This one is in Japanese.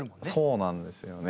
そうなんですよね。